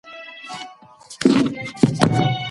هوا په تدریجي ډول سړېږي.